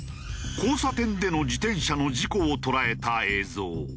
交差点での自転車の事故を捉えた映像。